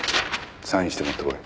サインして持ってこい。